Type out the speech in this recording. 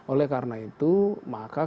oleh karena itu maka